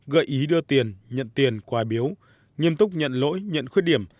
gợi ý đưa tiền nhận tiền quà biếu nghiêm túc nhận lỗi nhận khuyết điểm